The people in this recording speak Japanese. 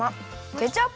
ケチャップ